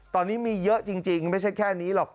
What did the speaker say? ตอนนี้มีเยอะจริงไม่ใช่แค่นี้หรอก